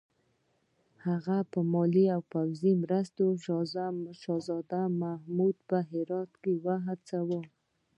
هغه په مالي او پوځي مرستو شهزاده محمود په هرات کې وهڅاوه.